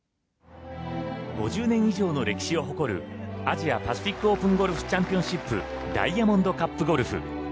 ５０年以上の歴史を誇るアジアパシフィックオープンゴルフチャンピオンシップダイヤモンドカップゴルフ。